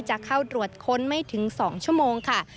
จะเข้าตรวจค้นไม่ถึง๒ชั่วโมงค่ะ